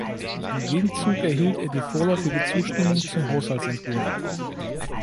Im Gegenzug erhielt er die vorläufige Zustimmung zum Haushaltsentwurf.